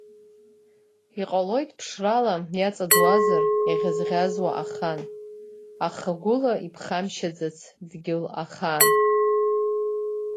Иҟалоит ԥшрала иаҵаӡуазар иӷьазӷьазуа ахан, аха гәыла иԥхамшьаӡац дгьыл ахаан.